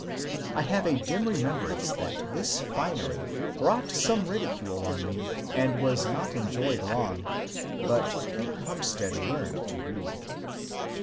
I have a dim remembrance that this finery brought some ridicule on me and was not enjoyed long ; but Peter Humstead learned to read.